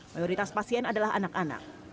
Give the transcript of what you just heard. mayoritas pasien adalah anak anak